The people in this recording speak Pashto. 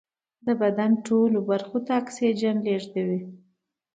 د بدن ټولو برخو ته اکسیجن لېږدوي